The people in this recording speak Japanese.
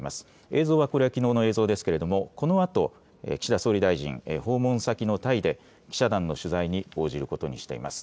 映像はきのうの映像ですけれどもこのあと岸田総理大臣は訪問先のタイで記者団の取材に応じることにしています。